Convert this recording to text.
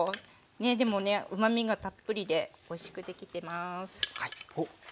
でもねうまみがたっぷりでおいしくできてます。